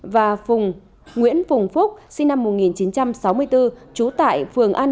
và phùng nguyễn phùng phúc sinh năm một nghìn chín trăm sáu mươi bốn trú tại phường an